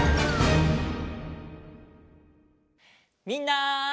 みんな！